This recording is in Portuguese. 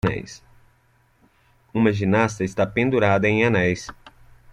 Uma ginasta está pendurada em anéis.